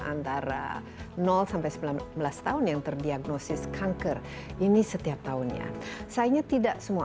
antara sampai sembilan belas tahun yang terdiagnosis kanker ini setiap tahunnya sayangnya tidak semua